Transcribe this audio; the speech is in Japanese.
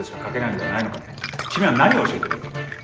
君は何を教えてる？